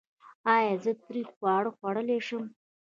ایا زه تریخ خواړه خوړلی شم؟